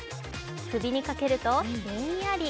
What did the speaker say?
首にかけるとひんやり。